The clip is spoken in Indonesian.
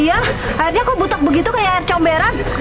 iya akhirnya kok butak begitu kayak air comberan